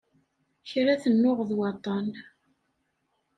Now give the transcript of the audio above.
Kra tennuɣ d waṭṭan.